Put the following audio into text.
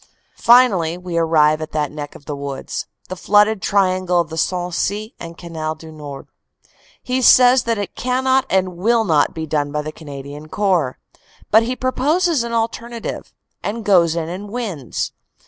Finally we arrive at that "neck of the woods," the flooded triangle of the Sensee and Canal du Nord. He says that it cannot and will not be done by the Canadian Corps. But he proposes an alternative ; and goes in and wins.